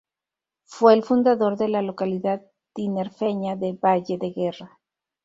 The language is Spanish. Fue el fundador de la localidad tinerfeña de Valle de Guerra.